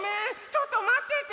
ちょっとまってて。